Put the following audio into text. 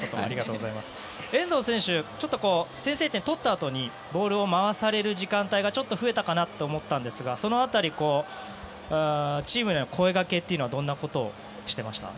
遠藤選手先制点を取ったあとにボールを回される時間帯が増えたかなと思ったんですがその辺りチームの声掛けというのはどんなことをしてました？